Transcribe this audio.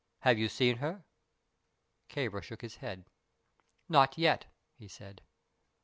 Have you seen her?" Kāra shook his head. "Not yet," he said.